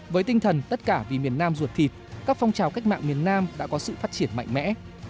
với tinh thần tất cả vì miền nam ruột thịt các phong trào cách mạng miền nam đã có sự phát triển mạnh mẽ